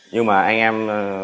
nhưng mà anh em